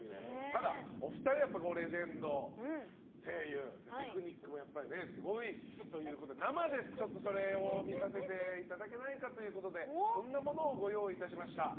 ただお二人はレジェンド声優テクニックもすごいということで生でそれを見させていただけないかということでこんなものをご用意いたしました。